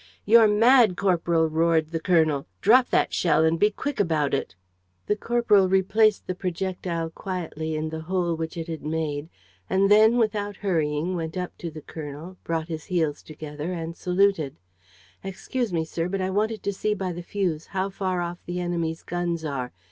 "You're mad, corporal!" roared the colonel. "Drop that shell and be quick about it." The corporal replaced the projectile quietly in the hole which it had made; and then without hurrying, went up to the colonel, brought his heels together and saluted: "Excuse me, sir, but I wanted to see by the fuse how far off the enemy's guns are.